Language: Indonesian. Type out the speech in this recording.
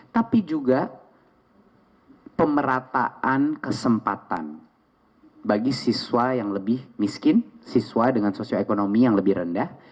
tapi juga pemerataan kesempatan bagi siswa yang lebih miskin siswa dengan sosioekonomi yang lebih rendah